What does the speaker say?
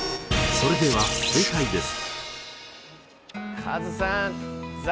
それでは正解です。